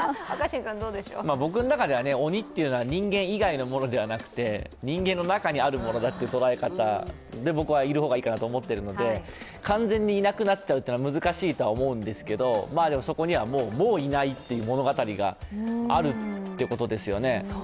僕の中では鬼ってのは人間以外のものではなくて人間の中にあるものだという捉え方でいる方がいいかなと僕は思っているので完全にいなくなっちゃうというのは難しいと思うんですけどでもそこには、もういないという物語があるということですよね。